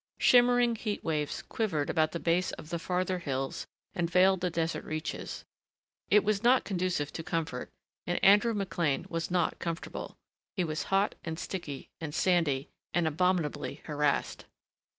Shimmering heat waves quivered about the base of the farther hills and veiled the desert reaches. It was not conducive to comfort and Andrew McLean was not comfortable. He was hot and sticky and sandy and abominably harassed.